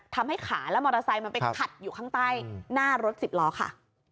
ทำให้ขาและมอเตอร์ไซค์มันไปขัดอยู่ข้างใต้หน้ารถสิบล้อค่ะ